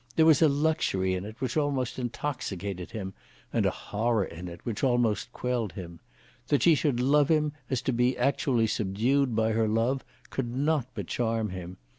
There was a luxury in it which almost intoxicated him, and a horror in it which almost quelled him. That she should so love him as to be actually subdued by her love could not but charm him.